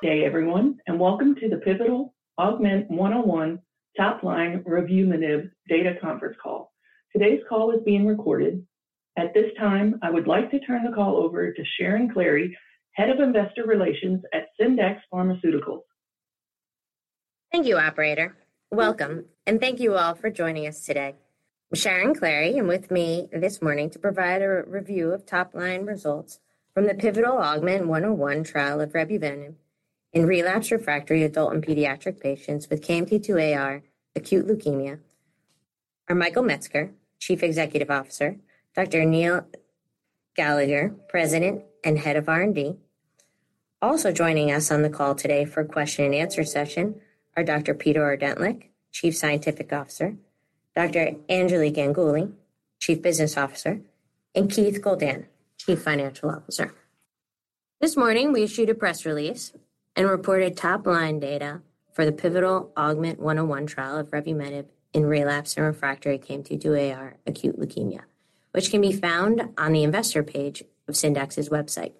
Good day, everyone, and welcome to the pivotal AUGMENT-101 top line revumenib data conference call. Today's call is being recorded. At this time, I would like to turn the call over to Sharon Klahre, Head of Investor Relations at Syndax Pharmaceuticals. Thank you, operator. Welcome, and thank you all for joining us today. I'm Sharon Klahre, and with me this morning to provide a review of top-line results from the pivotal AUGMENT-101 trial of revumenib in relapsed/refractory adult and pediatric patients with KMT2Ar acute leukemia, are Michael Metzger, Chief Executive Officer, Dr. Neil Gallagher, President and Head of R&D. Also joining us on the call today for the question-and-answer session are Dr. Peter Ordentlich, Chief Scientific Officer, Dr. Anjali Ganguli, Chief Business Officer, and Keith Goldan, Chief Financial Officer. This morning, we issued a press release and reported top-line data for the pivotal AUGMENT-101 trial of revumenib in relapsed and refractory KMT2Ar acute leukemia, which can be found on the investor page of Syndax's website.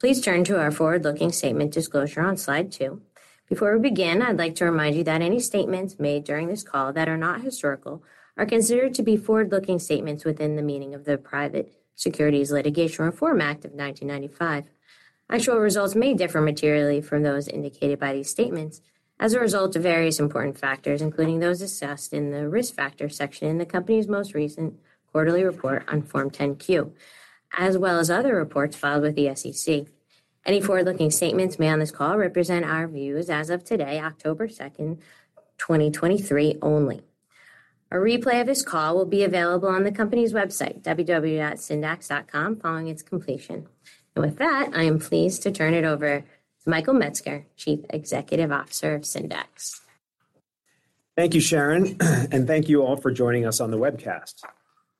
Please turn to our forward-looking statement disclosure on slide two. Before we begin, I'd like to remind you that any statements made during this call that are not historical are considered to be forward-looking statements within the meaning of the Private Securities Litigation Reform Act of 1995. Actual results may differ materially from those indicated by these statements as a result of various important factors, including those assessed in the risk factors section in the company's most recent quarterly report on Form 10-Q, as well as other reports filed with the SEC. Any forward-looking statements made on this call represent our views as of today, October 2nd, 2023, only. A replay of this call will be available on the company's website, www.syndax.com, following its completion. And with that, I am pleased to turn it over to Michael Metzger, Chief Executive Officer of Syndax. Thank you, Sharon, and thank you all for joining us on the webcast.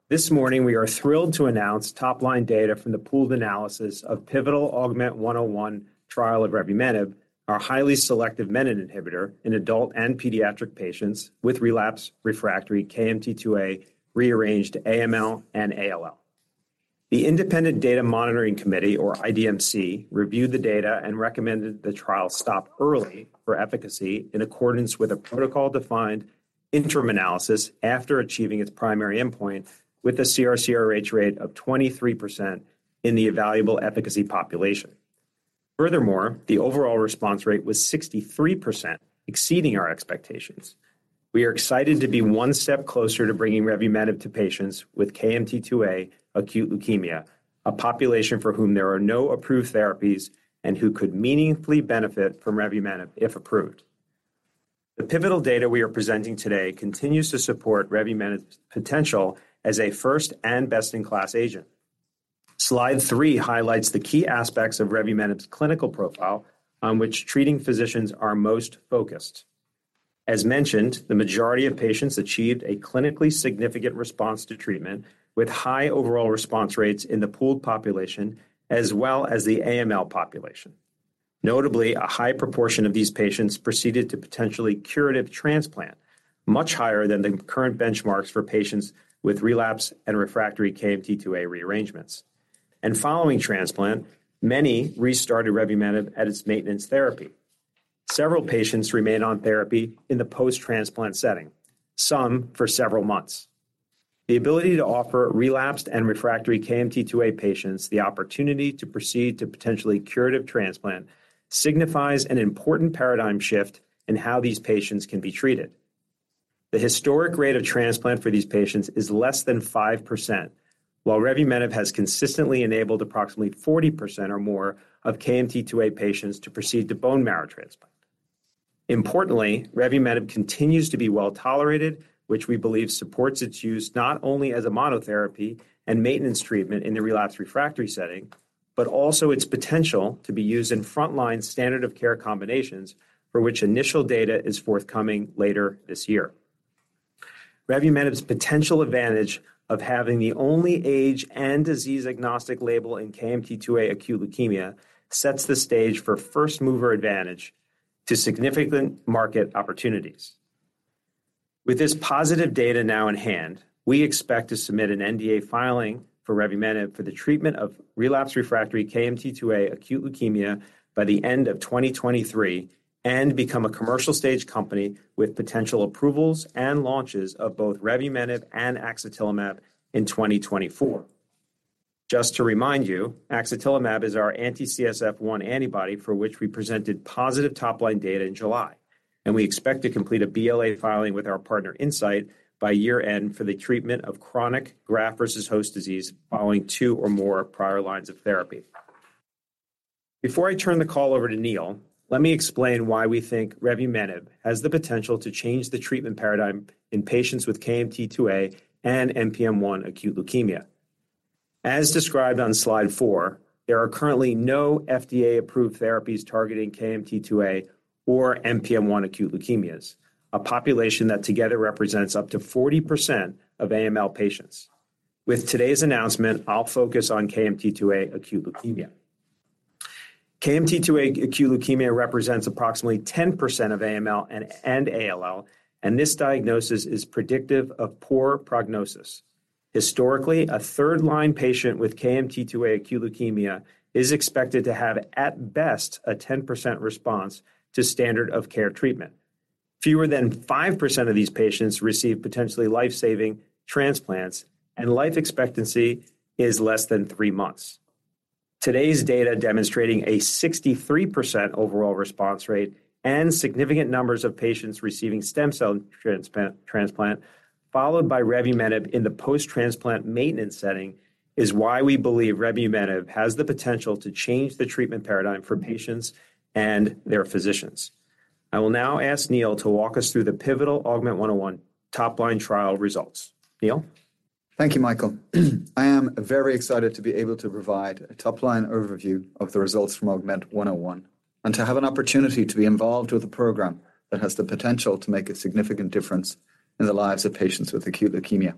This morning, we are thrilled to announce top-line data from the pooled analysis of pivotal AUGMENT-101 trial of revumenib, our highly selective menin inhibitor in adult and pediatric patients with relapsed/refractory KMT2A-rearranged AML and ALL. The Independent Data Monitoring Committee, or IDMC, reviewed the data and recommended the trial stop early for efficacy in accordance with a protocol-defined interim analysis after achieving its primary endpoint with a CR/CRh rate of 23% in the evaluable efficacy population. Furthermore, the overall response rate was 63%, exceeding our expectations. We are excited to be one step closer to bringing revumenib to patients with KMT2A acute leukemia, a population for whom there are no approved therapies and who could meaningfully benefit from revumenib if approved. The pivotal data we are presenting today continues to support revumenib's potential as a first and best-in-class agent. Slide three highlights the key aspects of revumenib's clinical profile on which treating physicians are most focused. As mentioned, the majority of patients achieved a clinically significant response to treatment, with high overall response rates in the pooled population, as well as the AML population. Notably, a high proportion of these patients proceeded to potentially curative transplant, much higher than the current benchmarks for patients with relapse and refractory KMT2A rearrangements. And following transplant, many restarted revumenib at its maintenance therapy. Several patients remained on therapy in the post-transplant setting, some for several months. The ability to offer relapsed and refractory KMT2A patients the opportunity to proceed to potentially curative transplant signifies an important paradigm shift in how these patients can be treated. The historic rate of transplant for these patients is less than 5%, while revumenib has consistently enabled approximately 40% or more of KMT2A patients to proceed to bone marrow transplant. Importantly, revumenib continues to be well-tolerated, which we believe supports its use not only as a monotherapy and maintenance treatment in the relapsed refractory setting, but also its potential to be used in frontline standard of care combinations for which initial data is forthcoming later this year. Revumenib's potential advantage of having the only age and disease-agnostic label in KMT2A acute leukemia sets the stage for first-mover advantage to significant market opportunities. With this positive data now in hand, we expect to submit an NDA filing for revumenib for the treatment of relapsed/refractory KMT2A acute leukemia by the end of 2023 and become a commercial-stage company with potential approvals and launches of both revumenib and axatilimab in 2024. Just to remind you, axatilimab is our anti-CSF-1R antibody for which we presented positive top-line data in July, and we expect to complete a BLA filing with our partner, Incyte, by year-end for the treatment of chronic graft-versus-host disease following two or more prior lines of therapy. Before I turn the call over to Neil, let me explain why we think revumenib has the potential to change the treatment paradigm in patients with KMT2A and NPM1 acute leukemia. As described on slide four, there are currently no FDA-approved therapies targeting KMT2A or NPM1 acute leukemias, a population that together represents up to 40% of AML patients. With today's announcement, I'll focus on KMT2A acute leukemia. KMT2A acute leukemia represents approximately 10% of AML and ALL, and this diagnosis is predictive of poor prognosis. Historically, a third-line patient with KMT2A acute leukemia is expected to have, at best, a 10% response to standard of care treatment. Fewer than 5% of these patients receive potentially life-saving transplants, and life expectancy is less than three months. Today's data, demonstrating a 63% overall response rate and significant numbers of patients receiving stem cell transplant, followed by revumenib in the post-transplant maintenance setting, is why we believe revumenib has the potential to change the treatment paradigm for patients and their physicians. I will now ask Neil to walk us through the pivotal AUGMENT-101 top-line trial results. Neil? Thank you, Michael. I am very excited to be able to provide a top-line overview of the results from AUGMENT-101, and to have an opportunity to be involved with a program that has the potential to make a significant difference in the lives of patients with acute leukemia.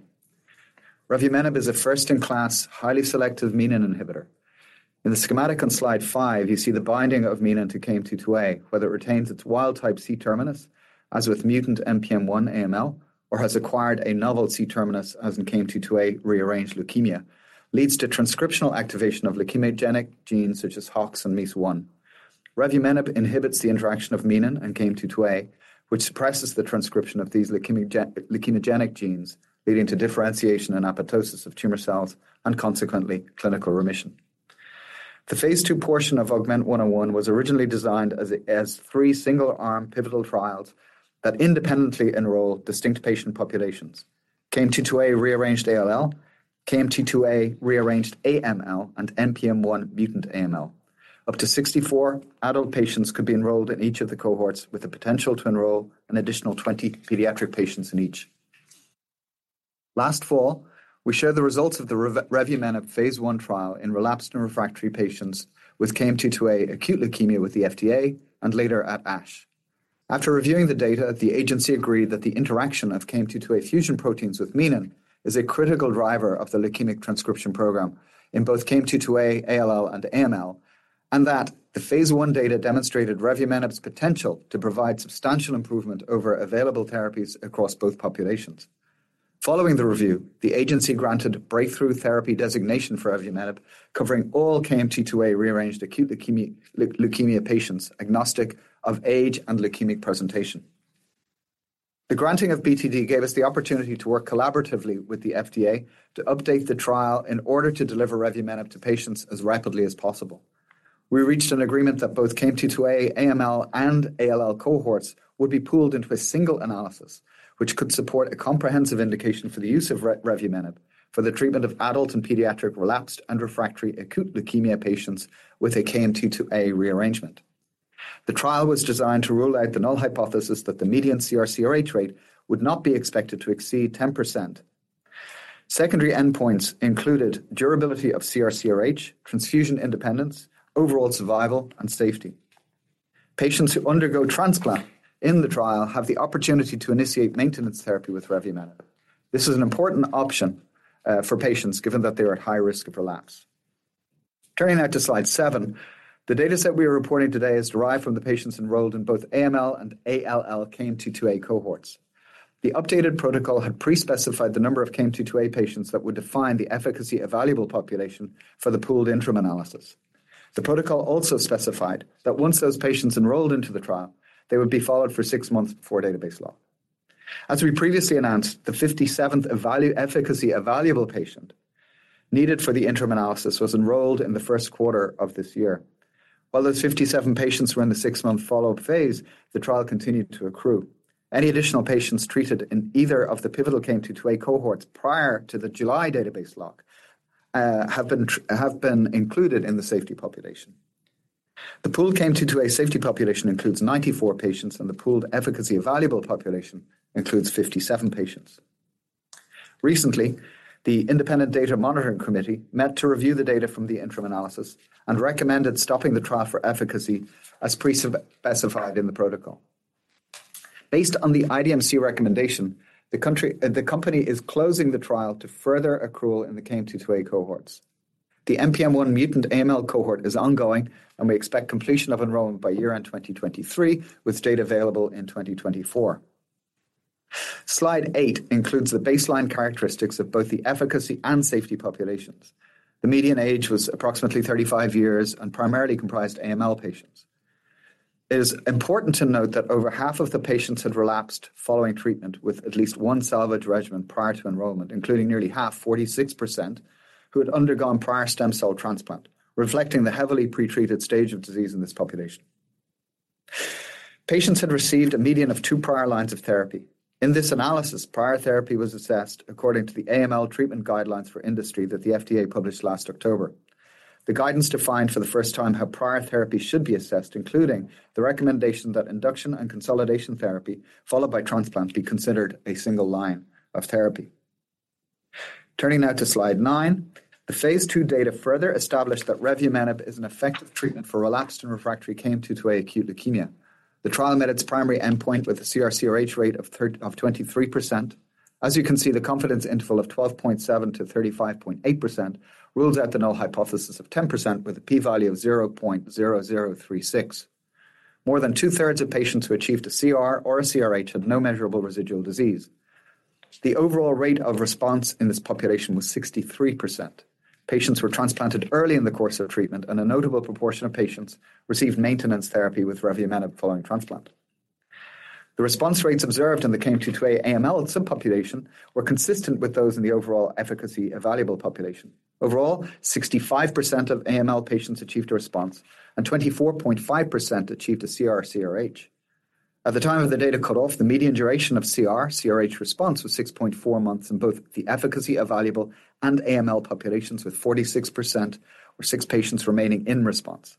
Revumenib is a first-in-class, highly selective menin inhibitor. In the schematic on slide five, you see the binding of menin to KMT2A, whether it retains its wild-type C terminus, as with mutant NPM1 AML, or has acquired a novel C terminus, as in KMT2A-rearranged leukemia, leads to transcriptional activation of leukemogenic genes such as HOX and MEIS1. Revumenib inhibits the interaction of menin and KMT2A, which suppresses the transcription of these leukemogenic genes, leading to differentiation and apoptosis of tumor cells, and consequently, clinical remission. The Phase II portion of AUGMENT-101 was originally designed as three single-arm pivotal trials that independently enroll distinct patient populations: KMT2A-rearranged ALL, KMT2A-rearranged AML, and NPM1 mutant AML. Up to 64 adult patients could be enrolled in each of the cohorts, with the potential to enroll an additional 20 pediatric patients in each. Last fall, we shared the results of the revumenib Phase I trial in relapsed and refractory patients with KMT2A acute leukemia with the FDA, and later at ASH. After reviewing the data, the agency agreed that the interaction of KMT2A fusion proteins with menin is a critical driver of the leukemic transcription program in both KMT2A, ALL, and AML, and that the Phase I data demonstrated revumenib's potential to provide substantial improvement over available therapies across both populations. Following the review, the agency granted breakthrough therapy designation for revumenib, covering all KMT2A-rearranged acute leukemia patients, agnostic of age and leukemic presentation. The granting of BTD gave us the opportunity to work collaboratively with the FDA to update the trial in order to deliver revumenib to patients as rapidly as possible. We reached an agreement that both KMT2A, AML, and ALL cohorts would be pooled into a single analysis, which could support a comprehensive indication for the use of revumenib for the treatment of adult and pediatric relapsed and refractory acute leukemia patients with a KMT2A rearrangement. The trial was designed to rule out the null hypothesis that the median CR/CRh rate would not be expected to exceed 10%. Secondary endpoints included durability of CR/CRh, transfusion independence, overall survival, and safety. Patients who undergo transplant in the trial have the opportunity to initiate maintenance therapy with revumenib. This is an important option for patients, given that they are at high risk of relapse. Turning now to slide seven, the dataset we are reporting today is derived from the patients enrolled in both AML and ALL KMT2A cohorts. The updated protocol had pre-specified the number of KMT2A patients that would define the efficacy-evaluable population for the pooled interim analysis. The protocol also specified that once those patients enrolled into the trial, they would be followed for six months before database lock. As we previously announced, the 57th efficacy-evaluable patient needed for the interim analysis was enrolled in the first quarter of this year. While those 57 patients were in the six-month follow-up phase, the trial continued to accrue. Any additional patients treated in either of the pivotal KMT2A cohorts prior to the July database lock have been, have been included in the safety population. The pooled KMT2A safety population includes 94 patients, and the pooled efficacy evaluable population includes 57 patients. Recently, the Independent Data Monitoring Committee met to review the data from the interim analysis and recommended stopping the trial for efficacy as pre-specified in the protocol. Based on the IDMC recommendation, the company is closing the trial to further accrual in the KMT2A cohorts. The NPM1 mutant AML cohort is ongoing, and we expect completion of enrollment by year-end 2023, with data available in 2024. Slide eight includes the baseline characteristics of both the efficacy and safety populations. The median age was approximately 35 years and primarily comprised AML patients. It is important to note that over half of the patients had relapsed following treatment with at least one salvage regimen prior to enrollment, including nearly half, 46%, who had undergone prior stem cell transplant, reflecting the heavily pretreated stage of disease in this population. Patients had received a median of two prior lines of therapy. In this analysis, prior therapy was assessed according to the AML treatment guidelines for industry that the FDA published last October. The guidance defined for the first time how prior therapy should be assessed, including the recommendation that induction and consolidation therapy, followed by transplant, be considered a single line of therapy. Turning now to slide nine, the Phase II data further established that revumenib is an effective treatment for relapsed and refractory KMT2A acute leukemia. The trial met its primary endpoint with a CR/CRh rate of 23%. As you can see, the confidence interval of 12.7%-35.8% rules out the null hypothesis of 10% with a p-value of 0.0036. More than 2/3 of patients who achieved a CR or a CRh had no measurable residual disease. The overall rate of response in this population was 63%. Patients were transplanted early in the course of treatment, and a notable proportion of patients received maintenance therapy with revumenib following transplant. The response rates observed in the KMT2A AML subpopulation were consistent with those in the overall efficacy evaluable population. Overall, 65% of AML patients achieved a response, and 24.5% achieved a CR/CRh. At the time of the data cut-off, the median duration of CR/CRh response was 6.4 months in both the efficacy evaluable and AML populations, with 46% or six patients remaining in response.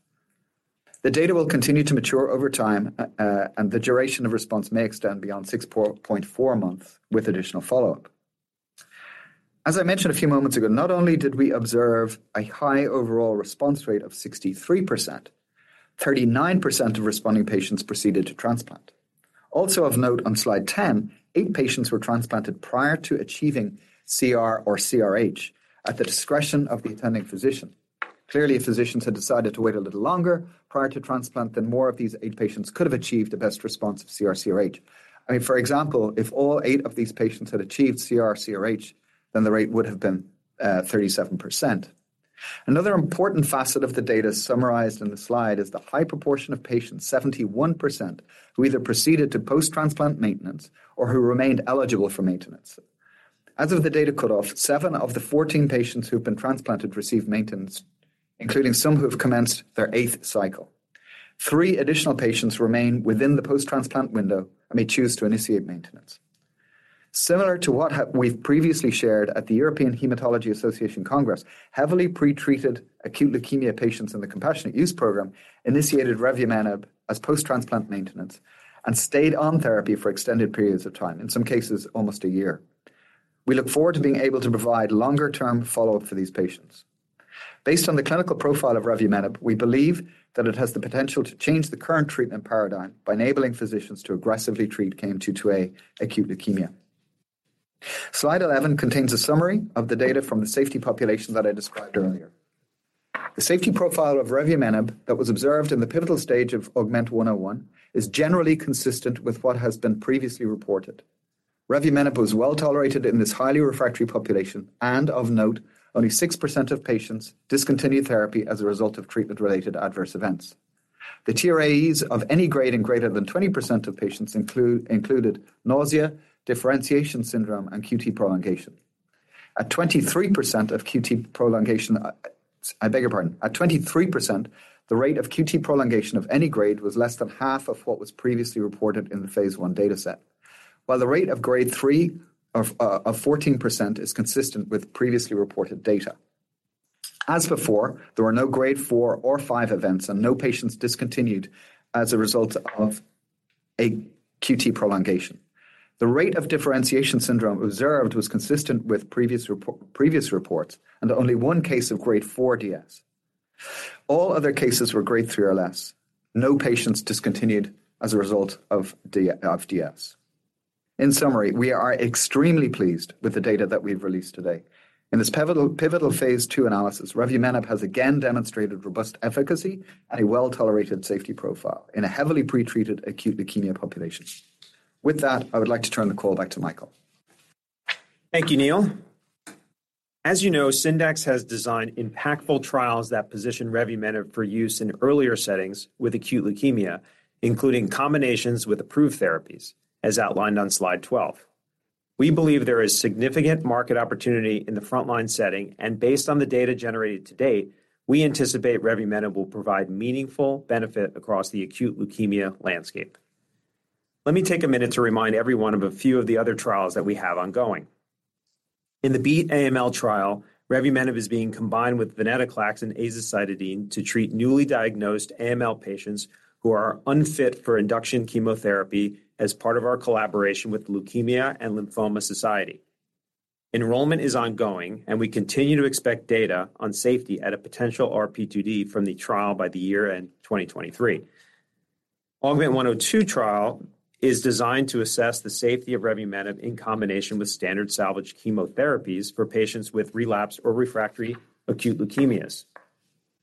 The data will continue to mature over time, and the duration of response may extend beyond 6.4 months with additional follow-up. As I mentioned a few moments ago, not only did we observe a high overall response rate of 63%, 39% of responding patients proceeded to transplant. Also of note, on slide 10, eight patients were transplanted prior to achieving CR or CRh at the discretion of the attending physician. Clearly, if physicians had decided to wait a little longer prior to transplant, then more of these eight patients could have achieved the best response of CR/CRh. I mean, for example, if all eight of these patients had achieved CR/CRh, then the rate would have been 37%. Another important facet of the data summarized in the slide is the high proportion of patients, 71%, who either proceeded to post-transplant maintenance or who remained eligible for maintenance. As of the data cut-off, seven of the 14 patients who've been transplanted received maintenance, including some who have commenced their 8th cycle. Three additional patients remain within the post-transplant window and may choose to initiate maintenance. Similar to what we've previously shared at the European Hematology Association Congress, heavily pretreated acute leukemia patients in the Compassionate Use Program initiated revumenib as post-transplant maintenance and stayed on therapy for extended periods of time, in some cases, almost a year. We look forward to being able to provide longer-term follow-up for these patients. Based on the clinical profile of revumenib, we believe that it has the potential to change the current treatment paradigm by enabling physicians to aggressively treat KMT2A acute leukemia. Slide 11 contains a summary of the data from the safety population that I described earlier. The safety profile of revumenib that was observed in the pivotal stage of AUGMENT-101 is generally consistent with what has been previously reported. Revumenib was well tolerated in this highly refractory population, and of note, only 6% of patients discontinued therapy as a result of treatment-related adverse events. The TRAEs of any grade and greater than 20% of patients included nausea, differentiation syndrome, and QT prolongation. At 23% of QT prolongation, I beg your pardon. At 23%, the rate of QT prolongation of any grade was less than half of what was previously reported in the Phase I data set. While the rate of Grade 3 of 14% is consistent with previously reported data. As before, there were no Grade 4 or 5 events, and no patients discontinued as a result of a QT prolongation. The rate of differentiation syndrome observed was consistent with previous report, previous reports, and only one case of Grade 4 DS. All other cases were grade three or less. No patients discontinued as a result of of DS. In summary, we are extremely pleased with the data that we've released today. In this pivotal, pivotal phase II analysis, revumenib has again demonstrated robust efficacy and a well-tolerated safety profile in a heavily pretreated acute leukemia population. With that, I would like to turn the call back to Michael. Thank you, Neil. As you know, Syndax has designed impactful trials that position revumenib for use in earlier settings with acute leukemia, including combinations with approved therapies, as outlined on slide 12. We believe there is significant market opportunity in the frontline setting, and based on the data generated to date, we anticipate revumenib will provide meaningful benefit across the acute leukemia landscape. Let me take a minute to remind everyone of a few of the other trials that we have ongoing. In the BEAT AML trial, revumenib is being combined with venetoclax and azacitidine to treat newly diagnosed AML patients who are unfit for induction chemotherapy as part of our collaboration with Leukemia and Lymphoma Society. Enrollment is ongoing, and we continue to expect data on safety at a potential RP2D from the trial by the year end, 2023. AUGMENT-102 trial is designed to assess the safety of revumenib in combination with standard salvage chemotherapies for patients with relapsed or refractory acute leukemias.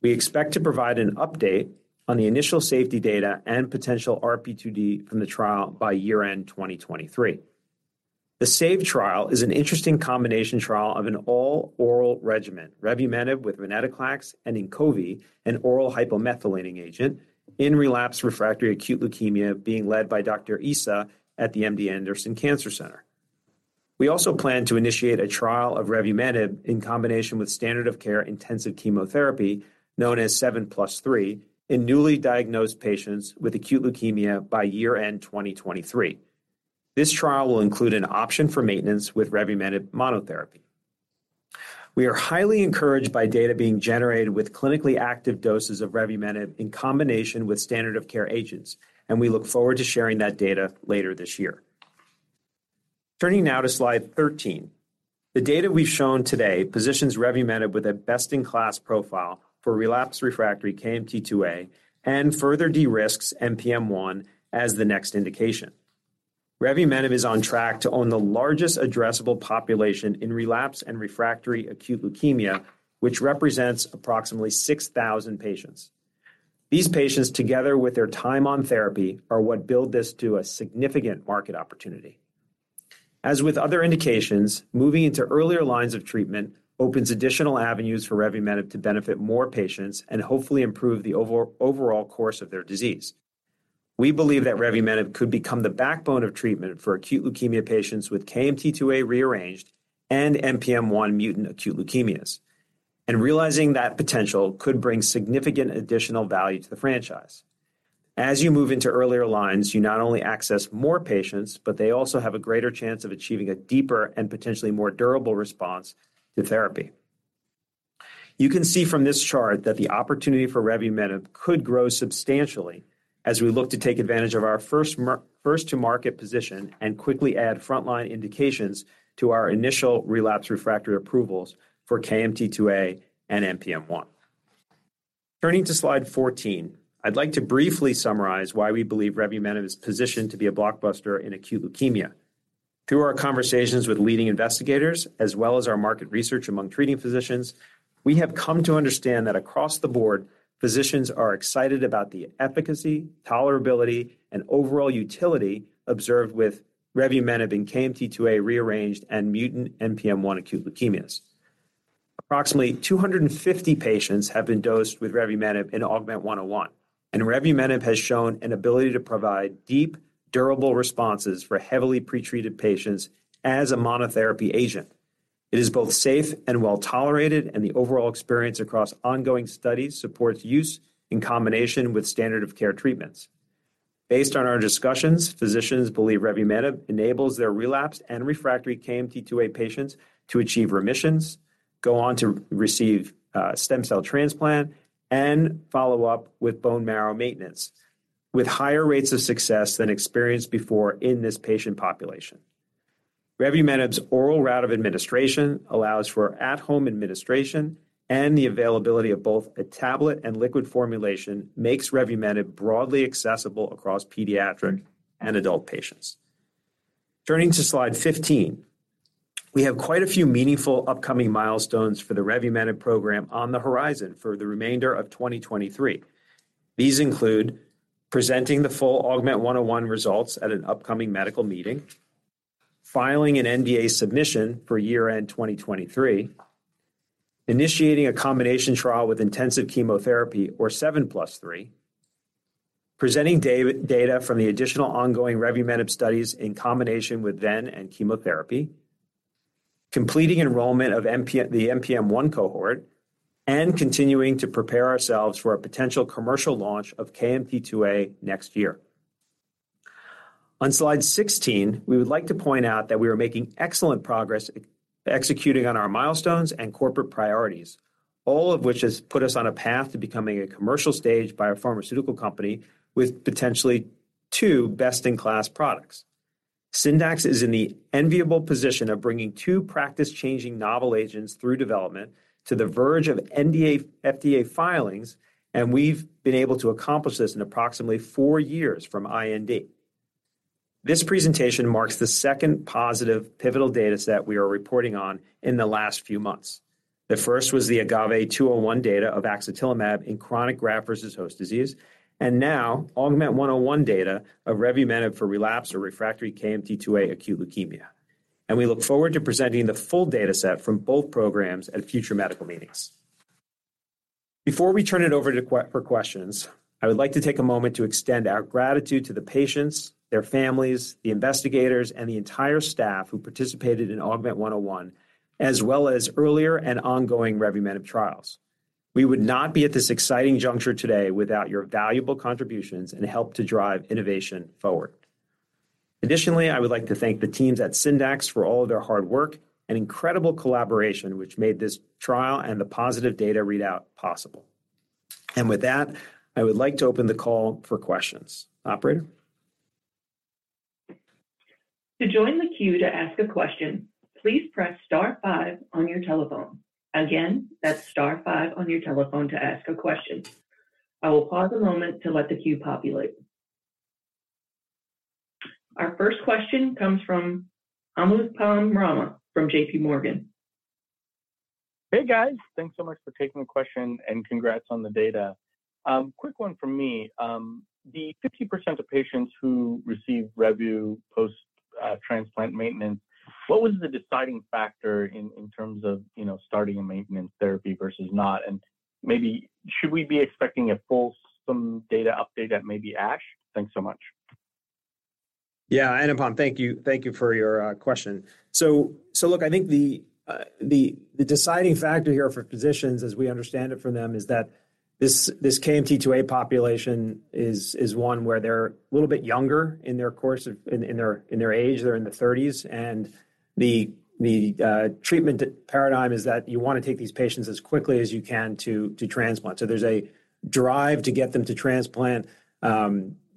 We expect to provide an update on the initial safety data and potential RP2D from the trial by year-end 2023. The SAVE trial is an interesting combination trial of an all-oral regimen, revumenib with venetoclax and Inqovi, an oral hypomethylating agent in relapsed refractory acute leukemia, being led by Dr. Issa at the MD Anderson Cancer Center. We also plan to initiate a trial of revumenib in combination with standard-of-care intensive chemotherapy, known as 7+3, in newly diagnosed patients with acute leukemia by year-end 2023. This trial will include an option for maintenance with revumenib monotherapy. We are highly encouraged by data being generated with clinically active doses of revumenib in combination with standard of care agents, and we look forward to sharing that data later this year. Turning now to slide 13. The data we've shown today positions revumenib with a best-in-class profile for relapsed refractory KMT2A and further de-risks NPM1 as the next indication. Revumenib is on track to own the largest addressable population in relapse and refractory acute leukemia, which represents approximately 6,000 patients. These patients, together with their time on therapy, are what build this to a significant market opportunity. As with other indications, moving into earlier lines of treatment opens additional avenues for revumenib to benefit more patients and hopefully improve the overall course of their disease. We believe that revumenib could become the backbone of treatment for acute leukemia patients with KMT2A rearranged and NPM1 mutant acute leukemias, and realizing that potential could bring significant additional value to the franchise. As you move into earlier lines, you not only access more patients, but they also have a greater chance of achieving a deeper and potentially more durable response to therapy. You can see from this chart that the opportunity for revumenib could grow substantially as we look to take advantage of our first-to-market position and quickly add frontline indications to our initial relapse/refractory approvals for KMT2A and NPM1. Turning to slide 14, I'd like to briefly summarize why we believe revumenib is positioned to be a blockbuster in acute leukemia. Through our conversations with leading investigators, as well as our market research among treating physicians, we have come to understand that across the board, physicians are excited about the efficacy, tolerability, and overall utility observed with revumenib in KMT2A rearranged and mutant NPM1 acute leukemias. Approximately 250 patients have been dosed with revumenib in AUGMENT-101, and revumenib has shown an ability to provide deep, durable responses for heavily pretreated patients as a monotherapy agent. It is both safe and well-tolerated, and the overall experience across ongoing studies supports use in combination with standard of care treatments. Based on our discussions, physicians believe revumenib enables their relapsed and refractory KMT2A patients to achieve remissions, go on to receive stem cell transplant, and follow up with bone marrow maintenance, with higher rates of success than experienced before in this patient population. Revumenib's oral route of administration allows for at-home administration, and the availability of both a tablet and liquid formulation makes revumenib broadly accessible across pediatric and adult patients. Turning to slide 15, we have quite a few meaningful upcoming milestones for the revumenib program on the horizon for the remainder of 2023. These include presenting the full AUGMENT-101 results at an upcoming medical meeting, filing an NDA submission for year-end 2023, initiating a combination trial with intensive chemotherapy or 7+3, presenting data from the additional ongoing revumenib studies in combination with ven and chemotherapy, completing enrollment of the NPM1 cohort, and continuing to prepare ourselves for a potential commercial launch of KMT2A next year. On slide 16, we would like to point out that we are making excellent progress executing on our milestones and corporate priorities, all of which has put us on a path to becoming a commercial-stage biopharmaceutical company with potentially two best-in-class products. Syndax is in the enviable position of bringing two practice-changing novel agents through development to the verge of NDA, FDA filings, and we've been able to accomplish this in approximately four years from IND. This presentation marks the second positive pivotal dataset we are reporting on in the last few months. The first was the AGAVE-201 data of axatilimab in chronic graft-versus-host disease, and now AUGMENT-101 data of revumenib for relapsed or refractory KMT2A acute leukemia. And we look forward to presenting the full dataset from both programs at future medical meetings. Before we turn it over to Q&A for questions, I would like to take a moment to extend our gratitude to the patients, their families, the investigators, and the entire staff who participated in AUGMENT-101, as well as earlier and ongoing revumenib trials. We would not be at this exciting juncture today without your valuable contributions and help to drive innovation forward. Additionally, I would like to thank the teams at Syndax for all of their hard work and incredible collaboration, which made this trial and the positive data readout possible. And with that, I would like to open the call for questions. Operator? To join the queue to ask a question, please press star five on your telephone. Again, that's star five on your telephone to ask a question. I will pause a moment to let the queue populate. Our first question comes from Anupam Rama from J.P. Morgan. Hey, guys! Thanks so much for taking the question, and congrats on the data. Quick one from me. The 50% of patients who received revu post transplant maintenance, what was the deciding factor in terms of, you know, starting a maintenance therapy versus not? And maybe should we be expecting a full some data update at maybe ASH? Thanks so much. Yeah, Anupam, thank you. Thank you for your question. So so look, I think the deciding factor here for physicians, as we understand it from them, is that this KMT2A population is one where they're a little bit younger in their course of... in their age, they're in their 30s, and the the treatment paradigm is that you want to take these patients as quickly as you can to transplant. So there's a drive to get them to transplant.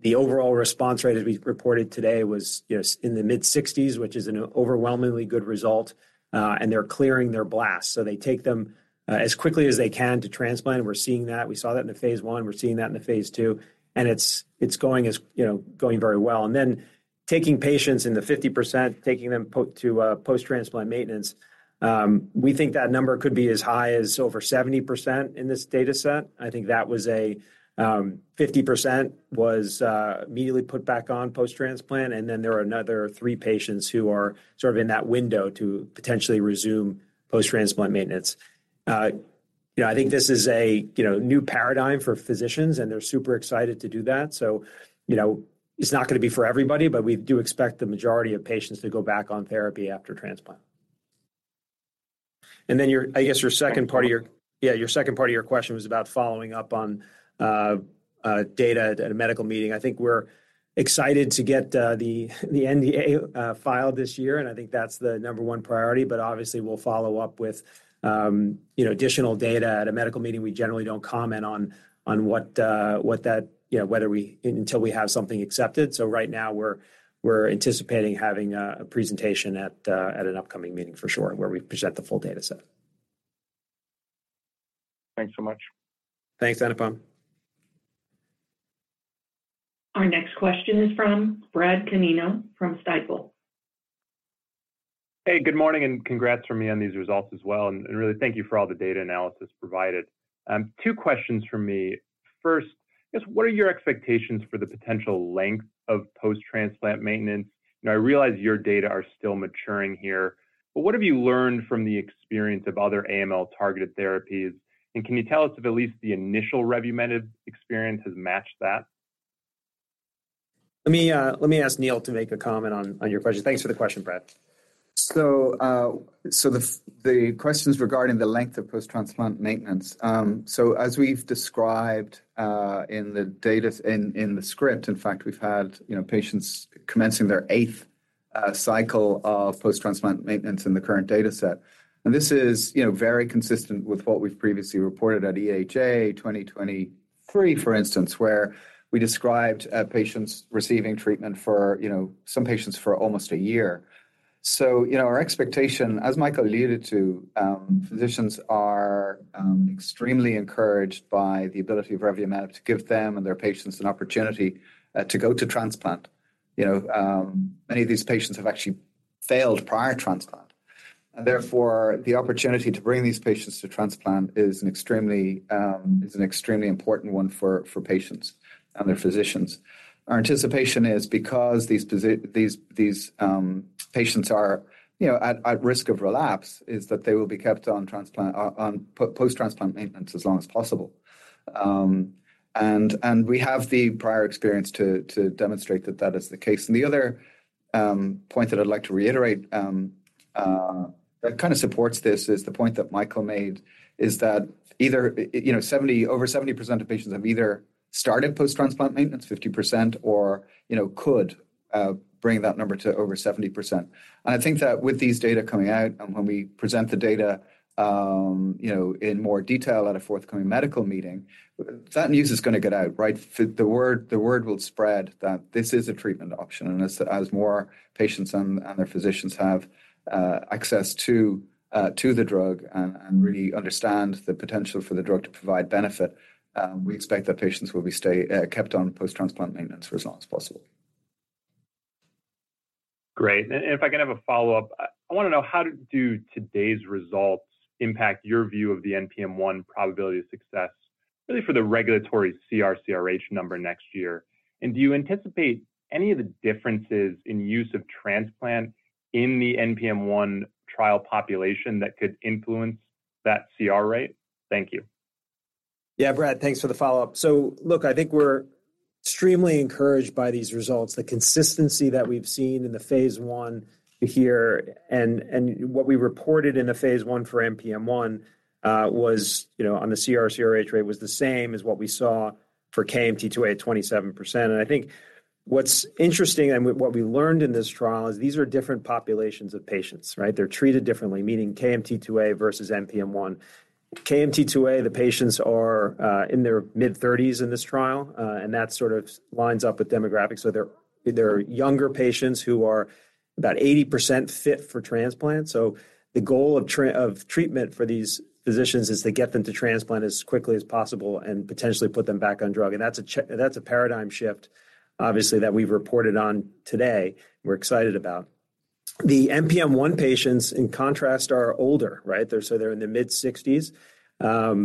The overall response rate, as we've reported today, was, you know, in the mid-60s%, which is an overwhelmingly good result, and they're clearing their blast. So they take them as quickly as you can to transplant, and we're seeing that. We saw that in the Phase I, we're seeing that in the Phase II, and it's going, you know, very well. And then taking patients in the 50%, taking them to post-transplant maintenance, we think that number could be as high as over 70% in this data set. I think that was 50% was immediately put back on post-transplant, and then there are another three patients who are sort of in that window to potentially resume post-transplant maintenance. You know, I think this is a new paradigm for physicians, and they're super excited to do that. So, you know, it's not gonna be for everybody, but we do expect the majority of patients to go back on therapy after transplant. And then I guess your second part, your second part of your question was about following up on data at a medical meeting. I think we're excited to get the NDA filed this year, and I think that's the number one priority, but obviously, we'll follow up with you know additional data at a medical meeting. We generally don't comment on what, what that you know whether we until we have something accepted. So right now we're anticipating having a presentation at an upcoming meeting for sure, where we present the full data set. Thanks so much. Thanks, Anupam. Our next question is from Brad Canino from Stifel. Hey, good morning, and congrats from me on these results as well. And really thank you for all the data analysis provided. Two questions from me. First, just what are your expectations for the potential length of post-transplant maintenance? And I realize your data are still maturing here, but what have you learned from the experience of other AML-targeted therapies? And can you tell us if at least the initial revumenib experience has matched that? Let me let me ask Neil to make a comment on your question. Thanks for the question, Brad. So, the question is regarding the length of post-transplant maintenance. So as we've described in the data, in the script, in fact, we've had, you know, patients commencing their 8th cycle of post-transplant maintenance in the current dataset. And this is, you know, very consistent with what we've previously reported at EHA 2023, for instance, where we described patients receiving treatment for, you know, some patients for almost a year. So, you know, our expectation, as Michael alluded to, physicians are extremely encouraged by the ability of revumenib to give them and their patients an opportunity to go to transplant. You know, many of these patients have actually failed prior transplant, and therefore, the opportunity to bring these patients to transplant is an extremely, is an extremely important one for patients and their physicians. Our anticipation is because these these patients are, you know, at risk of relapse, is that they will be kept on post-transplant maintenance as long as possible. And and we have the prior experience to demonstrate that that is the case. The other point that I'd like to reiterate that kinda supports this is the point that Michael made, is that either, you know, over 70% of patients have either started post-transplant maintenance, 50%, or, you know, could bring that number to over 70%. And I think that with these data coming out and when we present the data, you know, in more detail at a forthcoming medical meeting, that news is gonna get out, right? The word, the word will spread that this is a treatment option. As more patients and their physicians have access to the drug and really understand the potential for the drug to provide benefit, we expect that patients will be kept on post-transplant maintenance for as long as possible. Great. And if I can have a follow-up, I wanna know, how do today's results impact your view of the NPM1 probability of success, really for the regulatory CR/CRh number next year? And do you anticipate any of the differences in use of transplant in the NPM1 trial population that could influence that CR rate? Thank you. Yeah, Brad, thanks for the follow-up. So look, I think we're extremely encouraged by these results. The consistency that we've seen in the Phase I this year and what we reported in the phase one for NPM1 was, you know, on the CR/CRh rate, was the same as what we saw for KMT2A, 27%. And I think what's interesting and what we learned in this trial is these are different populations of patients, right? They're treated differently, meaning KMT2A versus NPM1. KMT2A, the patients are in their mid-30s in this trial and that sort of lines up with demographics. So they're younger patients who are about 80% fit for transplant. So the goal of treatment for these physicians is to get them to transplant as quickly as possible and potentially put them back on drug. That's a paradigm shift, obviously, that we've reported on today. We're excited about it. The NPM1 patients, in contrast, are older, right? They're so they're in their mid-60s,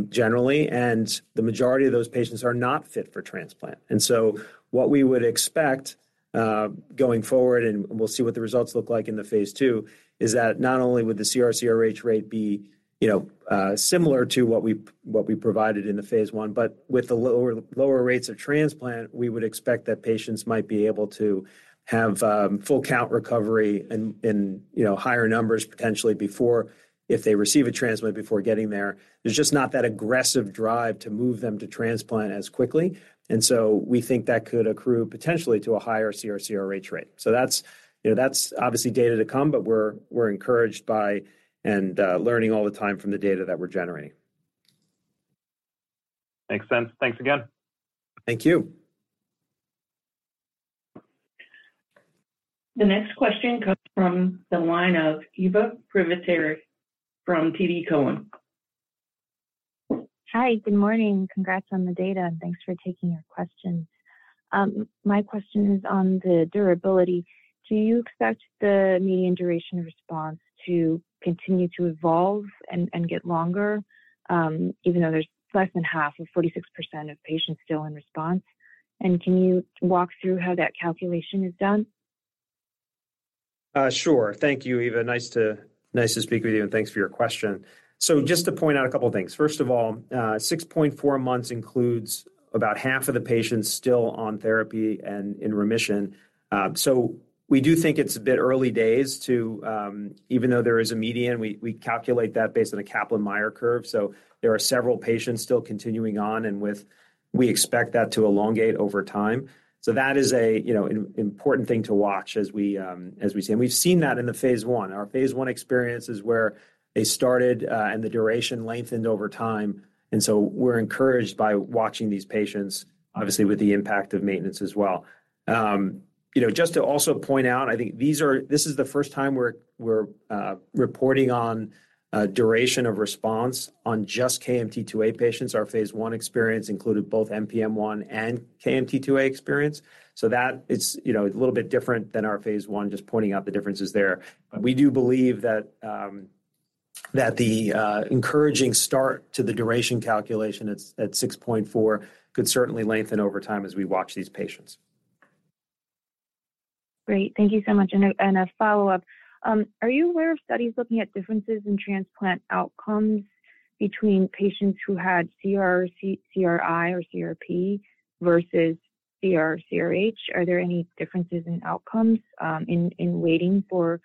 generally, and the majority of those patients are not fit for transplant. So what we would expect, going forward, and we'll see what the results look like in the Phase II, is that not only would the CR/CRh rate be, you know, similar to what we, what we provided in the Phase I, but with the lower rates of transplant, we would expect that patients might be able to have full count recovery and, you know, higher numbers potentially before... If they receive a transplant before getting there. There's just not that aggressive drive to move them to transplant as quickly, and so we think that could accrue potentially to a higher CR/CRh rate. So that's, you know, that's obviously data to come, but we're, we're encouraged by and learning all the time from the data that we're generating. Makes sense. Thanks again. Thank you. The next question comes from the line of Eva Privitera from TD Cowen. Hi, good morning. Congrats on the data, and thanks for taking our questions. My question is on the durability. Do you expect the median duration response to continue to evolve and get longer, even though there's less than half of 46% of patients still in response? And can you walk through how that calculation is done? Sure. Thank you, Eva. Nice to, nice to speak with you, and thanks for your question. So just to point out a couple of things. First of all, 6.4 months includes about half of the patients still on therapy and in remission. So we do think it's a bit early days to... Even though there is a median, we calculate that based on a Kaplan-Meier curve. So there are several patients still continuing on, and we expect that to elongate over time. So that is a, you know, an important thing to watch as we see. As we've seen that in the Phase I. Our Phase I experience is where they started, and the duration lengthened over time, and so we're encouraged by watching these patients, obviously, with the impact of maintenance as well. You know, just to also point out, these are, this is the first time we're reporting on duration of response on just KMT2A patients. Our Phase I experience included both NPM1 and KMT2A experience. So that it's, you know, a little bit different than our Phase I, just pointing out the differences there. But we do believe that, that the encouraging start to the duration calculation at 6.4 could certainly lengthen over time as we watch these patients. Great. Thank you so much. And a follow-up. Are you aware of studies looking at differences in transplant outcomes between patients who had CR, CRi, or CRp versus CR, CRh? Are there any differences in outcomes in in waiting for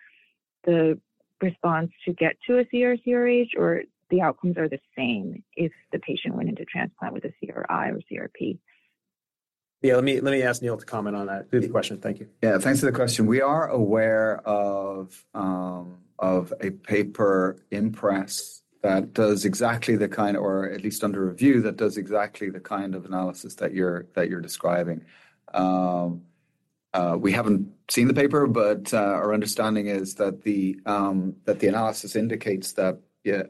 the response to get to a CR, CRh, or the outcomes are the same if the patient went into transplant with a CRi or CRp? Yeah, let me, let me ask Neil to comment on that. Good question. Thank you. Yeah, thanks for the question. We are aware of a paper in press that does exactly the kind - or at least under review - that does exactly the kind of analysis that you're, that you're describing. We haven't seen the paper, but our understanding is that the, the analysis indicates that, yeah,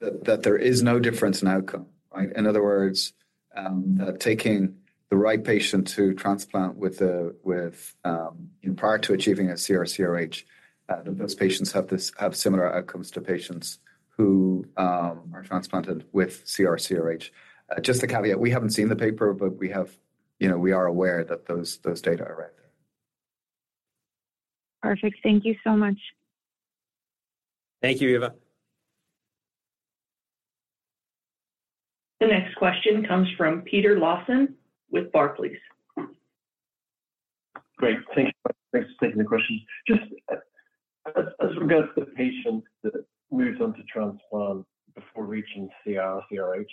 that there is no difference in outcome, right? In other words, taking the right patient to transplant with the, with prior to achieving a CR, CRh, those patients have this - have similar outcomes to patients who are transplanted with CR, CRh. Just a caveat, we haven't seen the paper, but we have - you know, we are aware that those data are right there. Perfect. Thank you so much. Thank you, Eva. The next question comes from Peter Lawson with Barclays. Great. Thank you. Thanks for taking the question. Just as regards to the patient that moves on to transplant before reaching CR, CRh,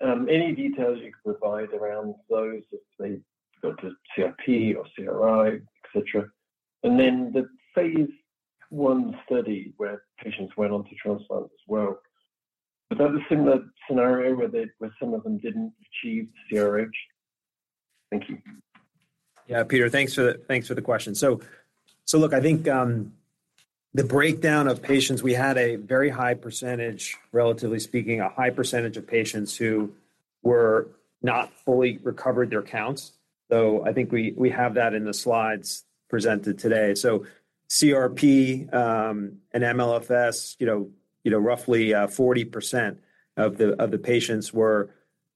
and any details you could provide around those if they go to CRp or CRi, et cetera? And then the Phase I study where patients went on to transplant as well, was that a similar scenario where some of them didn't achieve CRh? Thank you. Yeah, Peter, thanks for the, thanks for the question. So look, I think the breakdown of patients, we had a very high percentage, relatively speaking, a high percentage of patients who were not fully recovered their counts. So I think we have that in the slides presented today. So CRp and MLFS, you know, you know roughly 40% of the patients were,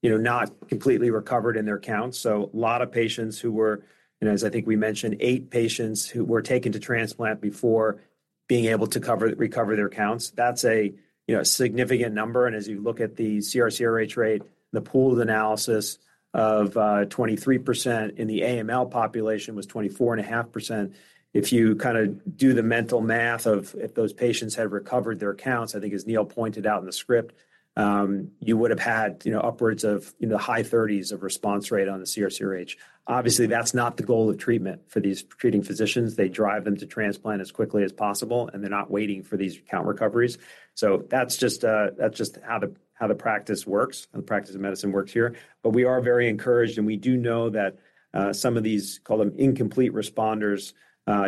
you know, not completely recovered in their count. So a lot of patients who were... And as I think we mentioned, eight patients who were taken to transplant before being able to recover, recover their counts, that's a you know, significant number. And as you look at the CR, CRh rate, the pool of analysis of 23% in the AML population was 24.5%. If you kinda do the mental math of if those patients had recovered their counts, I think as Neil pointed out in the script, you would have had, you know, upwards of, you know, high 30s of response rate on the CR, CRh. Obviously, that's not the goal of treatment for these treating physicians. They drive them to transplant as quickly as possible, and they're not waiting for these count recoveries. So that's just, that's just how the, how the practice works, how the practice of medicine works here. But we are very encouraged, and we do know that, some of these, call them incomplete responders,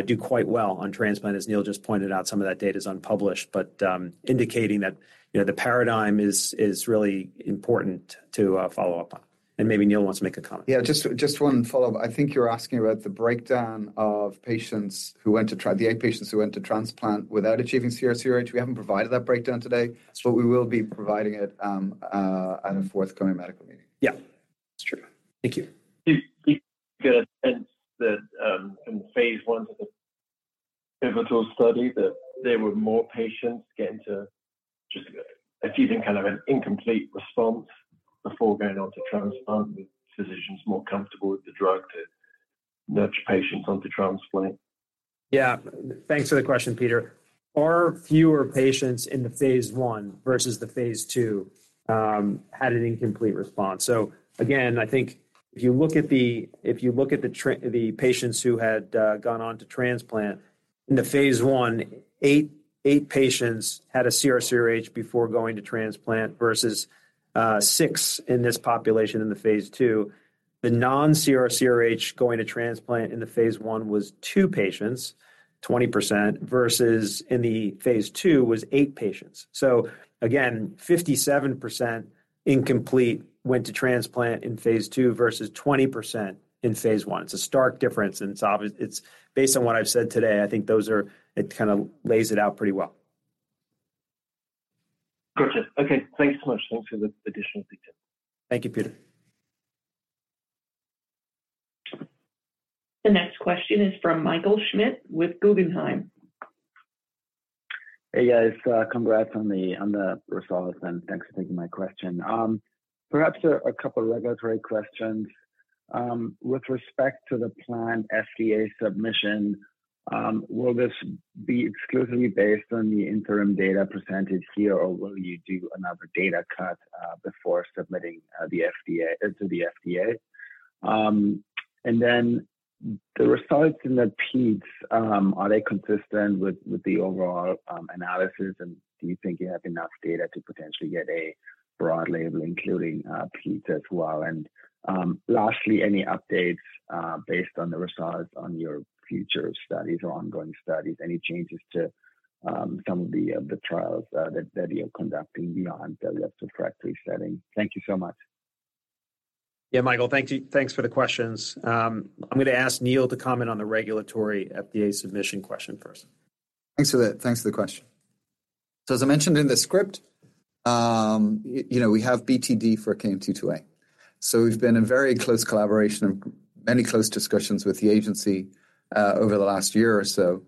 do quite well on transplant. As Neil just pointed out, some of that data is unpublished, but, indicating that, you know, the paradigm is, is really important to, follow up on. Maybe Neil wants to make a comment. Yeah, just, just one follow-up. I think you're asking about the breakdown of patients who went to-....The eight patients who went to transplant without achieving CR, CRh. We haven't provided that breakdown today, so we will be providing it at a forthcoming medical meeting. Yeah, that's true. Thank you. Do you get a sense that, in Phase I of the pivotal study, that there were more patients getting to just achieving kind of an incomplete response before going on to transplant, with physicians more comfortable with the drug to nudge patients onto transplant? Yeah. Thanks for the question, Peter. Our fewer patients in the Phase I versus the Phase II had an incomplete response. So again, I think if you look at the, if you look at the patients who had gone on to transplant, in the Phase I, eight patients had a CR/CRh before going to transplant versus six in this population in the Phase II. The non-CR/CRh going to transplant in the Phase I was two patients, 20%, versus in the Phase II was eight patients. So again, 57% incomplete went to transplant in Phase II versus 20% in Phase I. It's a stark difference, and it's obvious. It's based on what I've said today, I think those are it kinda lays it out pretty well. Gotcha. Okay, thanks so much. Thanks for the additional detail. Thank you, Peter. The next question is from Michael Schmidt with Guggenheim. Hey, guys. Congrats on the results, and thanks for taking my question. Perhaps a couple of regulatory questions. With respect to the planned FDA submission, will this be exclusively based on the interim data presented here, or will you do another data cut before submitting the FDA, to the FDA? And then the results in the peds, are they consistent with the overall analysis? And do you think you have enough data to potentially get a broad label, including peds as well? And lastly, any updates based on the results on your future studies or ongoing studies, any changes to some of the trials that you're conducting beyond the refractory setting? Thank you so much. Yeah, Michael, thank you. Thanks for the questions. I'm gonna ask Neil to comment on the regulatory FDA submission question first. Thanks for that. Thanks for the question. So as I mentioned in the script, you know, we have BTD for KMT2A. So we've been in very close collaboration and many close discussions with the agency, over the last year or so.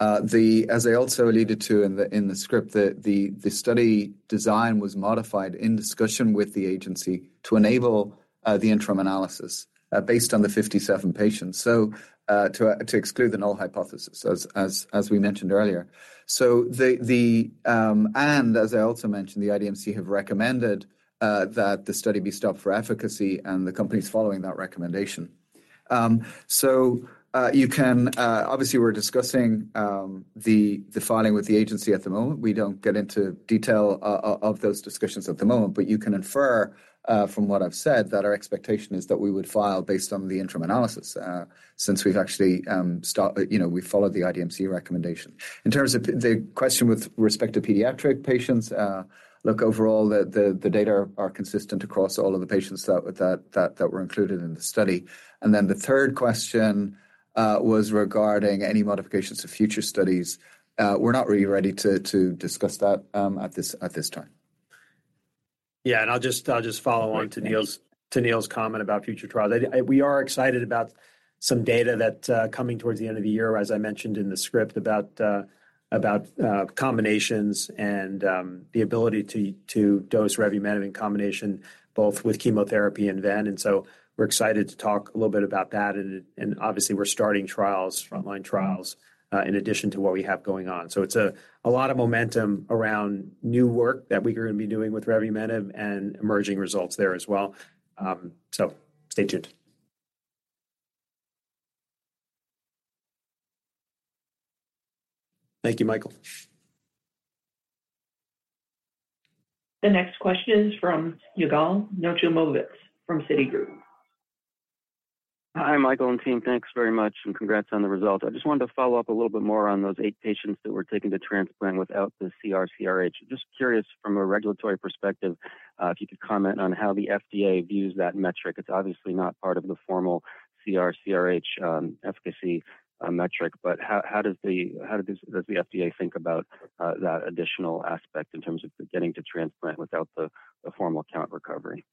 As I also alluded to in the script, the study design was modified in discussion with the agency to enable the interim analysis, based on the 57 patients. So, to exclude the null hypothesis as we mentioned earlier. So the, and as I also mentioned, the IDMC have recommended that the study be stopped for efficacy, and the company is following that recommendation. So, you can obviously, we're discussing the filing with the agency at the moment. We don't get into detail of those discussions at the moment. But you can infer from what I've said, that our expectation is that we would file based on the interim analysis, since we've actually, you know, we followed the IDMC recommendation. In terms of the question with respect to pediatric patients, look, overall, the data are consistent across all of the patients that that were included in the study. And then the third question was regarding any modifications to future studies. We're not really ready to to discuss that at this time. Yeah, and I'll just follow on- Great, thank you. To Neil's comment about future trials. We are excited about some data that coming towards the end of the year, as I mentioned in the script, about about combinations and the ability to to dose revumenib in combination, both with chemotherapy and ven. And so we're excited to talk a little bit about that, and obviously, we're starting trials, frontline trials- Mm-hmm. In addition to what we have going on. So it's a lot of momentum around new work that we are gonna be doing with revumenib and emerging results there as well. So stay tuned. Thank you, Michael. The next question is from Yigal Nochomovitz from Citigroup. Hi, Michael and team. Thanks very much, and congrats on the results. I just wanted to follow up a little bit more on those eight patients that were taken to transplant without the CR/CRh. Just curious, from a regulatory perspective, if you could comment on how the FDA views that metric. It's obviously not part of the formal CR/CRh efficacy metric, but but how does the, how does the FDA think about that additional aspect in terms of getting to transplant without the formal count recovery?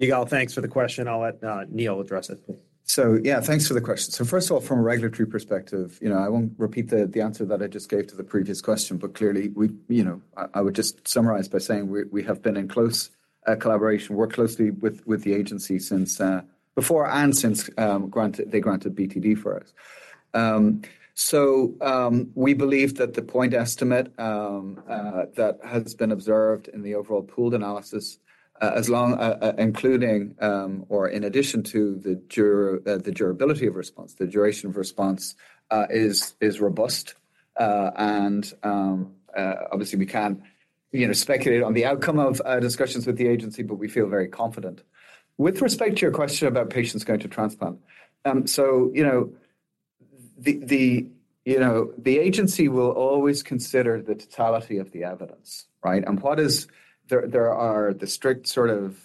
Yigal, thanks for the question. I'll let Neil address it. So yeah, thanks for the question. So first of all, from a regulatory perspective, you know, I won't repeat the answer that I just gave to the previous question, but clearly, we, you know, I would just summarize by saying we have been in close collaboration, worked closely with the agency since before and since they granted BTD for us. So we believe that the point estimate that has been observed in the overall pooled analysis, as long including or in addition to the durability of response, the duration of response is robust. And obviously, we can't you know, speculate on the outcome of discussions with the agency, but we feel very confident. With respect to your question about patients going to transplant, and so you know, the agency will always consider the totality of the evidence, right? And what is, there are the strict sort of,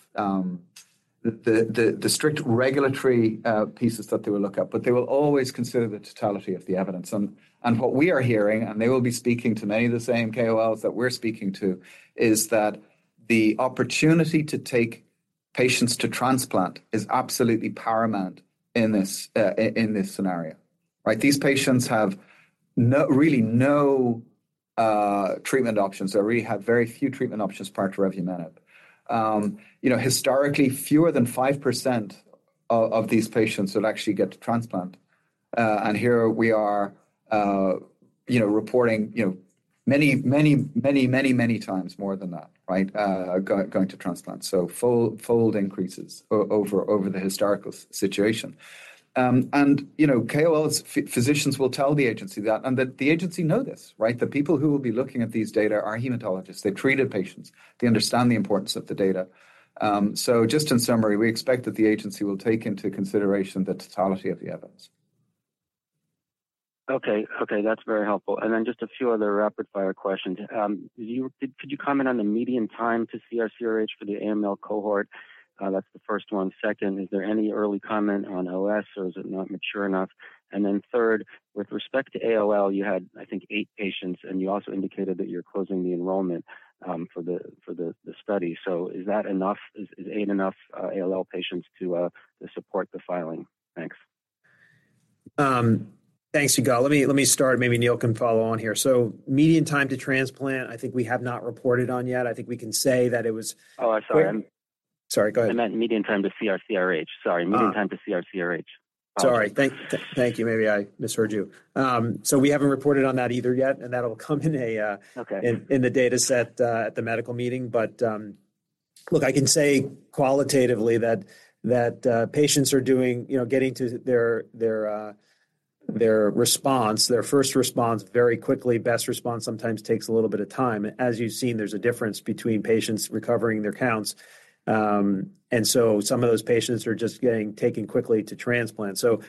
the the strict regulatory pieces that they will look at, but they will always consider the totality of the evidence. And what we are hearing, and they will be speaking to many of the same KOLs that we're speaking to, is that the opportunity to take patients to transplant is absolutely paramount in this, in this scenario, right? These patients have really no treatment options, or really have very few treatment options prior to revumenib. You know, historically, fewer than 5% of these patients would actually get to transplant. And here we are, you know, reporting, you know... Many, many, many, many, many times more than that, right? Going to transplant. So fold fold increases over over the historical situation. And, you know, KMT2A's physicians will tell the agency that, and that the agency knows this, right? The people who will be looking at these data are hematologists. They've treated patients. They understand the importance of the data. So just in summary, we expect that the agency will take into consideration the totality of the evidence. Okay. Okay, that's very helpful. And then just a few other rapid-fire questions. You could you comment on the median time to CR/CRh for the AML cohort? That's the first one. Second, is there any early comment on OS, or is it not mature enough? And then third, with respect to ALL, you had, I think, eight patients, and you also indicated that you're closing the enrollment for the study. So is that enough? Is eight enough ALL patients to support the filing? Thanks. Thanks, Yigal. Let me start, maybe Neil can follow on here. So median time to transplant, I think we have not reported on yet. I think we can say that it was- Oh, I'm sorry. Sorry, go ahead. I meant median time to CR/CRh. Sorry- Ah. Median time to CR/CRh. Sorry. Thank, thank you. Maybe I misheard you. So we haven't reported on that either yet, and that'll come in a- Okay... in the dataset at the medical meeting. But look, I can say qualitatively that patients are doing... You know, getting to their their response, their first response very quickly. Best response sometimes takes a little bit of time. As you've seen, there's a difference between patients recovering their counts. And so some of those patients are just getting taken quickly to transplant. So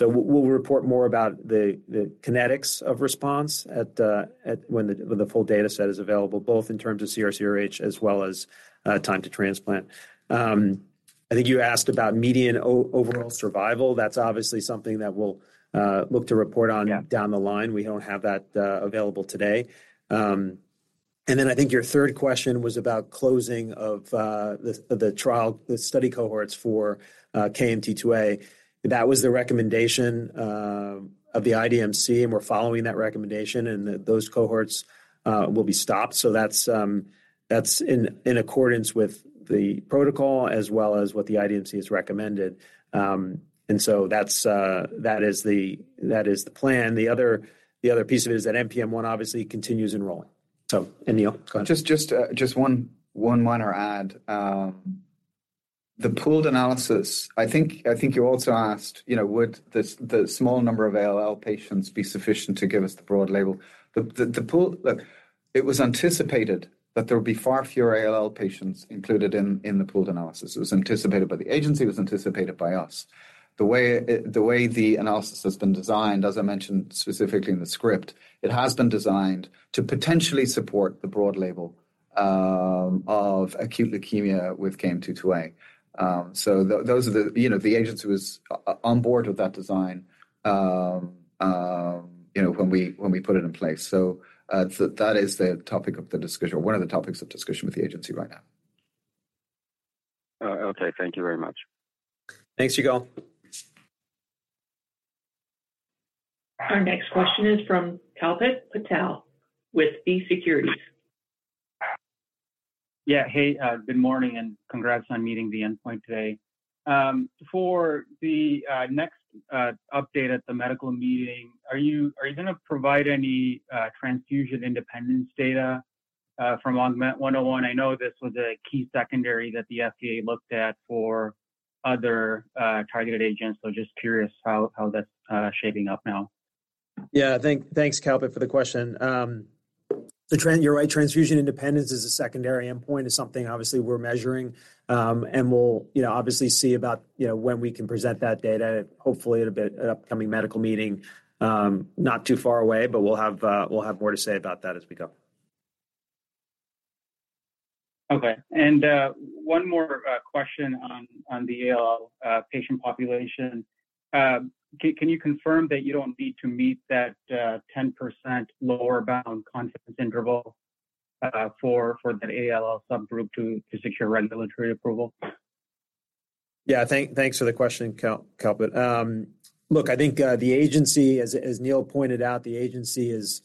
we'll report more about the kinetics of response at the when the full dataset is available, both in terms of CR/CRh as well as time to transplant. I think you asked about median overall survival. That's obviously something that we'll look to report on- Yeah... down the line. We don't have that available today. And then I think your third question was about closing of the trial, the study cohorts for KMT2A. That was the recommendation of the IDMC, and we're following that recommendation, and that those cohorts will be stopped. So that's that's in accordance with the protocol as well as what the IDMC has recommended. And so that's, that is the, that is the plan. The other other piece of it is that NPM1 obviously continues enrolling. So, and, Neil, go ahead. Just just one minor add. The pooled analysis... I think, I think you also asked, you know, would the small number of ALL patients be sufficient to give us the broad label? The the pool, Look, it was anticipated that there would be far fewer ALL patients included in the pooled analysis. It was anticipated by the agency, it was anticipated by us. The way, the way the analysis has been designed, as I mentioned specifically in the script, it has been designed to potentially support the broad label of acute leukemia with KMT2A. So those are the... You know, the agency was on board with that design, you know, when we, when we put it in place. So that is the topic of the discussion, one of the topics of discussion with the agency right now. Okay. Thank you very much. Thanks, Yigal. Our next question is from Kalpit Patel with B. Securities. Yeah, hey, good morning and congrats on meeting the endpoint today. For the next update at the medical meeting, are you, are you gonna provide any transfusion independence data from AUGMENT-101? I know this was a key secondary that the FDA looked at for other targeted agents, so just curious how how that's shaping up now. Yeah, thanks, Kalpit, for the question. You're right, transfusion independence is a secondary endpoint, something obviously we're measuring. And we'll, you know, obviously see about, you know, when we can present that data, hopefully at an upcoming medical meeting, not too far away, but we'll have, we'll have more to say about that as we go. Okay. And one more question on the ALL patient population. Can you confirm that you don't need to meet that 10% lower bound confidence interval for the ALL subgroup to secure regulatory approval? Yeah. Thanks, thanks for the question, Kalpit. Look, I think the agency, as Neil pointed out, the agency is,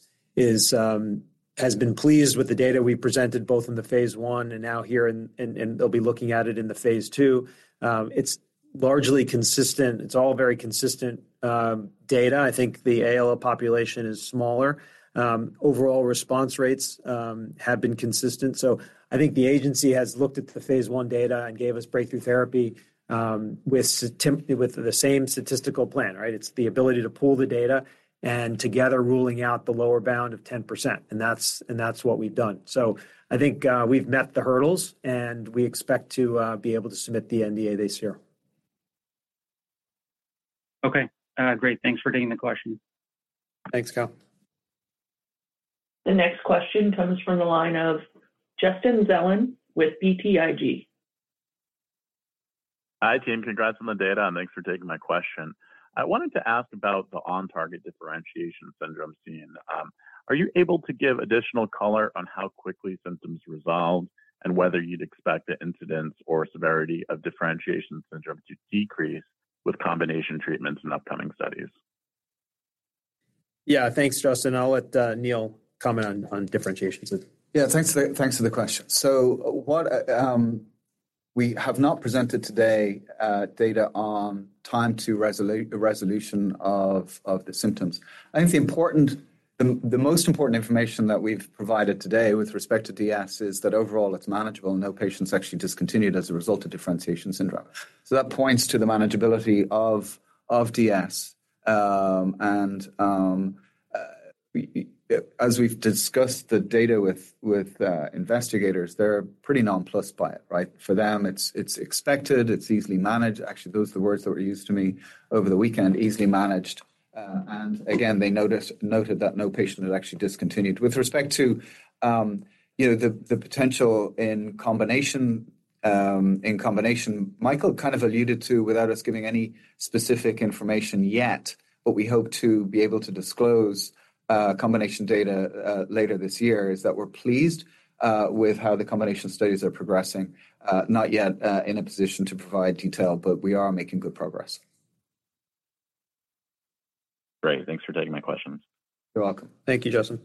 has been pleased with the data we presented both in the Phase I and now here, and they'll be looking at it in the Phase II. It's largely consistent. It's all very consistent data. I think the ALL population is smaller. Overall response rates have been consistent. So I think the agency has looked at the Phase I data and gave us breakthrough therapy with the same statistical plan, right? It's the ability to pool the data and together ruling out the lower bound of 10%. And that's, that's what we've done. So I think we've met the hurdles, and we expect to be able to submit the NDA this year. Okay. Great. Thanks for taking the question. Thanks, Kal. The next question comes from the line of Justin Zelin with BTIG. Hi, team. Congrats on the data, and thanks for taking my question. I wanted to ask about the on-target differentiation syndrome seen. Are you able to give additional color on how quickly symptoms resolved and whether you'd expect the incidence or severity of differentiation syndrome to decrease with combination treatments in upcoming studies? Yeah. Thanks, Justin. I'll let Neil comment on differentiation syndrome. Yeah, thanks, thanks for the question. We have not presented today data on time to resolution of the symptoms. I think important, the most important information that we've provided today with respect to DS is that overall it's manageable. No patient's actually discontinued as a result of differentiation syndrome. So that points to the manageability of DS. And as we've discussed the data with with investigators, they're pretty nonplussed by it, right? For them, it's it's expected, it's easily managed. Actually, those are the words that were used to me over the weekend, "Easily managed." And again, they notice, they noted that no patient had actually discontinued. With respect to, you know, the potential in combination, in combination, Michael kind of alluded to, without us giving any specific information yet, but we hope to be able to disclose combination data later this year, is that we're pleased with how the combination studies are progressing. Not yet in a position to provide detail, but we are making good progress. Great. Thanks for taking my questions. You're welcome. Thank you, Justin.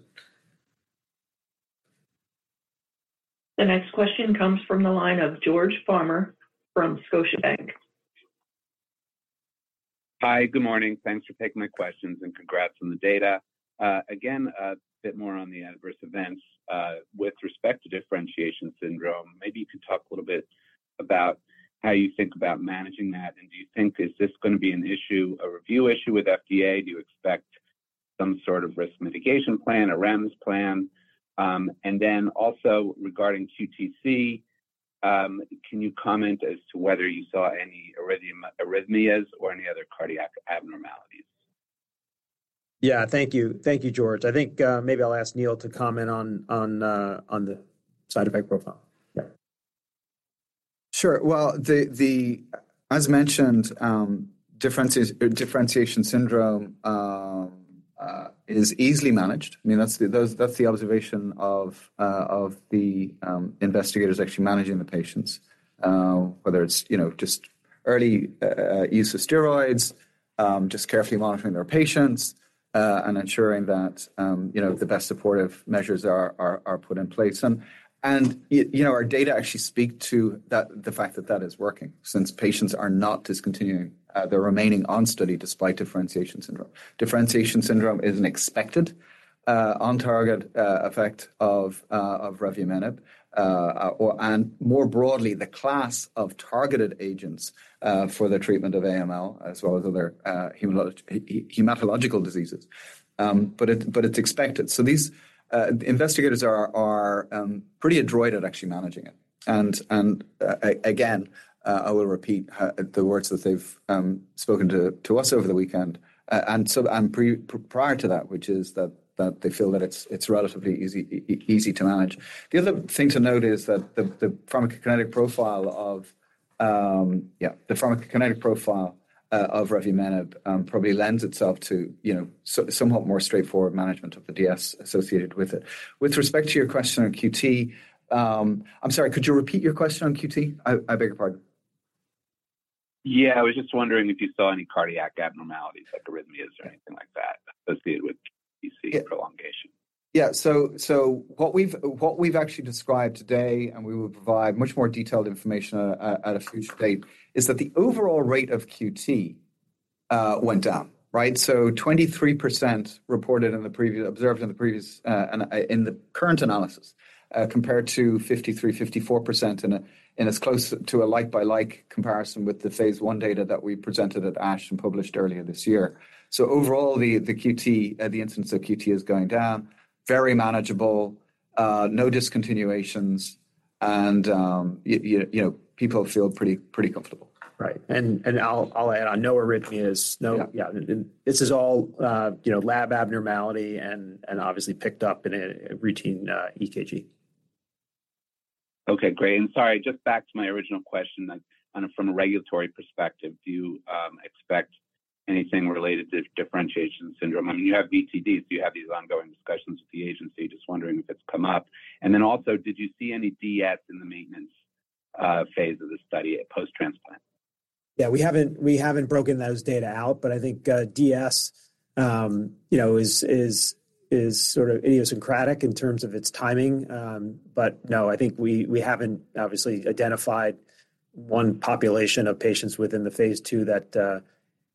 The next question comes from the line of George Farmer from Scotiabank. Hi, good morning. Thanks for taking my questions, and congrats on the data. Again, a bit more on the adverse events. With respect to differentiation syndrome, maybe you could talk a little bit about how you think about managing that, and do you think is this gonna be an issue, a review issue with FDA? Do you expect some sort of risk mitigation plan, a REMS plan? And then also regarding QTc, can you comment as to whether you saw any arrhythmia, arrhythmias or any other cardiac abnormalities? Yeah, thank you. Thank you, George. I think, maybe I'll ask Neil to comment on on on the side effect profile. Yeah. Sure. Well, as mentioned, differentiation syndrome is easily managed. You know, that's that's the observation of the investigators actually managing the patients. Whether it's, you know, just early use of steroids, just carefully monitoring their patients, and ensuring that, you know, the best supportive measures are put in place. And, you know, our data actually speak to that, the fact that that is working, since patients are not discontinuing. And they're remaining on study despite differentiation syndrome. Differentiation syndrome is an expected on-target effect of revumenib, or... And more broadly, the class of targeted agents for the treatment of AML, as well as other hematological diseases. But it's, but it's expected. So these investigators are pretty adroit at actually managing it. And and again, I will repeat the words that they've spoken to us over the weekend, and prior to that, which is that they feel that it's relatively easy to manage. The other thing to note is that the pharmacokinetic profile of, yeah the pharmacokinetic profile of revumenib probably lends itself to, you know, somewhat more straightforward management of the DS associated with it. With respect to your question on QT, I'm sorry, could you repeat your question on QT? I beg your pardon. Yeah. I was just wondering if you saw any cardiac abnormalities, like arrhythmias or anything like that, associated with QT prolongation? Yeah. So so what we've actually described today, and we will provide much more detailed information at a future date, is that the overall rate of QT went down, right? So 23% reported in the previous observed in the previous, and in the current analysis, compared to 53%,54% in as close to a like-by-like comparison with thePhase I data that we presented at ASH and published earlier this year. So overall, the QT, the incidence of QT is going down, very manageable, no discontinuations, and you you know, people feel pretty comfortable. Right. And I'll add on, no arrhythmias, no- Yeah. Yeah. And this is all, you know, lab abnormality and and obviously picked up in a routine EKG. Okay, great. And sorry, just back to my original question, that kind of from a regulatory perspective, do you expect anything related to differentiation syndrome? I mean, you have BTDs. Do you have these ongoing discussions with the agency? Just wondering if it's come up. And then also, did you see any DS in the maintenance phase of the study post-transplant? Yeah, we haven't, we haven't broken those data out, but I think, DS, you know, is is is sort of idiosyncratic in terms of its timing. But no, I think we haven't obviously identified one population of patients within the Phase II that,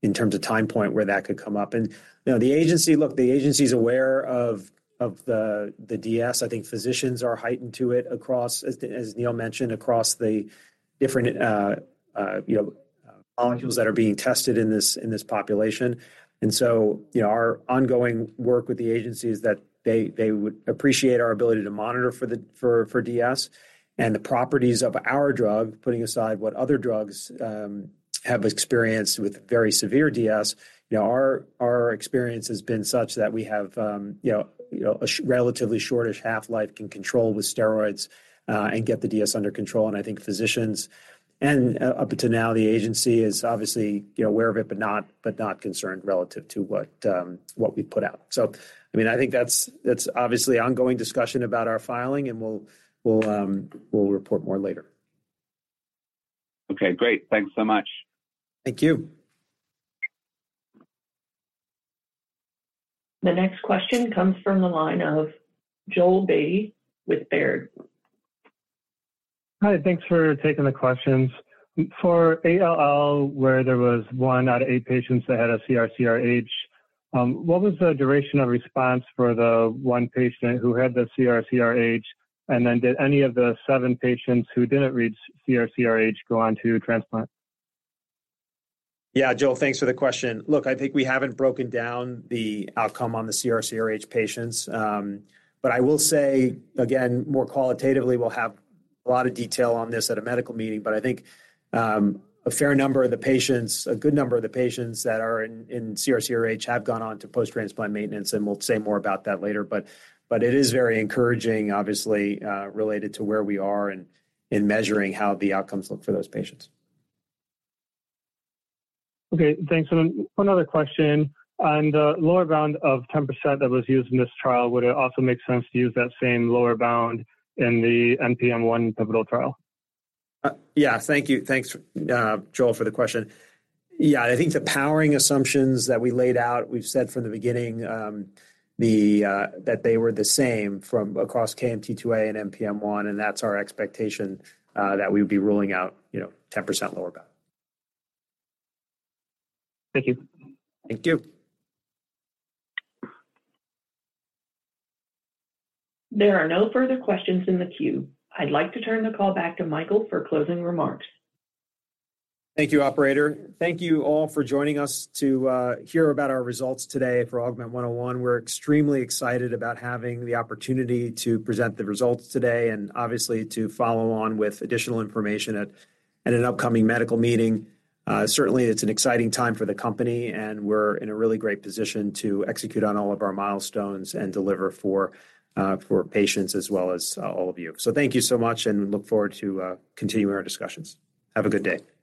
in terms of time point, where that could come up. And, you know, the agency... Look, the agency's aware of the DS. I think physicians are heightened to it across, as Neil mentioned, across the different, you know, molecules that are being tested in this, in this population. And so, you know, our ongoing work with the agency is that they would appreciate our ability to monitor for DS. And the properties of our drug, putting aside what other drugs have experienced with very severe DS, you know, our our experience has been such that we have, you know, you know, relatively shortish half-life can control with steroids, and get the DS under control. And I think physicians, and up until now, the agency is obviously, you know, aware of it, but not concerned relative to what, what we've put out. So, I mean, I think that's, that's obviously ongoing discussion about our filing, and we'll, we'll, we'll report more later. Okay, great. Thanks so much. Thank you. The next question comes from the line of Joel Beatty with Baird. Hi, thanks for taking the questions. For ALL, where there was one out of eight patients that had a CR/CRh, what was the duration of response for the one patient who had the CR/CRh? And then did any of the seven patients who didn't reach CR/CRh go on to transplant? Yeah, Joel, thanks for the question. Look, I think we haven't broken down the outcome on the CR/CRh patients. But I will say again, more qualitatively, we'll have a lot of detail on this at a medical meeting, but I think, a fair number of the patients, a good number of the patients that are in CR/CRh have gone on to post-transplant maintenance, and we'll say more about that later. But but it is very encouraging, obviously, related to where we are in measuring how the outcomes look for those patients. Okay, thanks. One other question. On the lower bound of 10% that was used in this trial, would it also make sense to use that same lower bound in the NPM1 pivotal trial? Yeah. Thank you. Thanks, Joel, for the question. Yeah, I think the powering assumptions that we laid out, we've said from the beginning, they that they were the same from across KMT2A and NPM1, and that's our expectation, that we would be ruling out, you know, 10% lower bound. Thank you. Thank you. There are no further questions in the queue. I'd like to turn the call back to Michael for closing remarks. Thank you, operator. Thank you all for joining us to hear about our results today for AUGMENT-101. We're extremely excited about having the opportunity to present the results today and obviously to follow on with additional information at an, at an upcoming medical meeting. Certainly, it's an exciting time for the company, and we're, we're in a really great position to execute on all of our milestones and deliver for patients as well as all of you. So thank you so much, and we look forward to continuing our discussions. Have a good day.